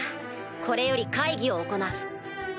これより会議を行う。